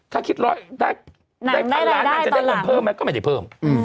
ถ้าคิดร้อยได้พันล้านน่าจะได้เงินเพิ่มไหมก็ไม่ได้เพิ่ม